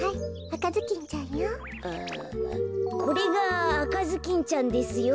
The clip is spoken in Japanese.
これがあかずきんちゃんですよ。